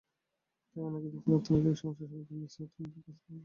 তাই অনেক দেশই অর্থনৈতিক সমস্যা সমাধানে মিশ্র অর্থনৈতিক ব্যবস্থা গ্রহণ করে থাকে।